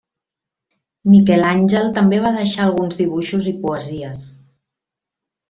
Miquel Àngel també va deixar alguns dibuixos i poesies.